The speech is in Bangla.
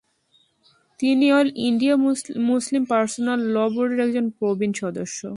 তিনি All India Muslim Personal Law বোর্ডের একজন প্রবীণ সদস্য।